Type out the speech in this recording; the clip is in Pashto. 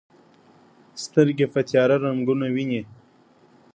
سترګې په تیاره رنګونه ویني.